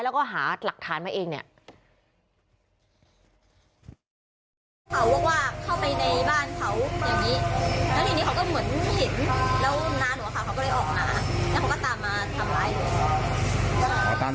แล้วก็หาหลักฐานมาเองเนี่ย